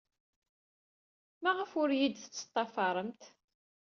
Maɣef ur iyi-d-tettḍafaremt?